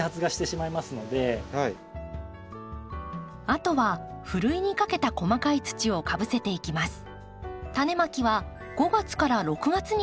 あとはふるいにかけた細かい土をかぶせていきます。